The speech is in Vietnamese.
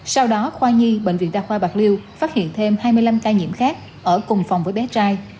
sau đó khoa nhi bệnh viện đa khoa bạc liêu phát hiện thêm hai mươi năm ca nhiễm khác ở cùng phòng với bé trai